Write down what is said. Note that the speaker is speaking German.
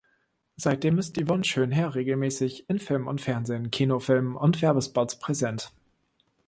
Seitdem ist Ivonne Schönherr regelmäßig in Film und Fernsehen, Kinofilmen und Werbespots präsent.